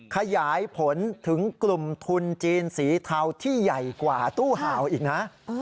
ขยายผลถึงกลุ่มทุนจีนสีเทาที่ใหญ่กว่าตู้ห่าวอีกนะ